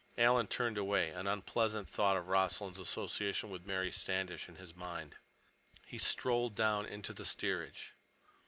Alan turned away, an unpleasant thought of Rossland's association with Mary Standish in his mind. He strolled down into the steerage.